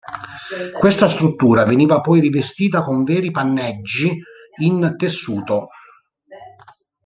Questa struttura veniva poi rivestita con veri panneggi in tessuto.